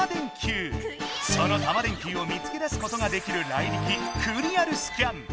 そのタマ電Ｑを見つけだすことができるライリキクリアルスキャン。